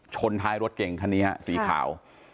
ชนท้ายรถเก่งคันนี้ฮะสีขาว